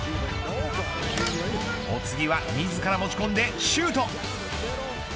お次は自ら持ち込んでシュート。